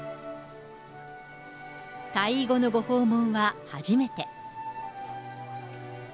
退位後のご訪問は初めて。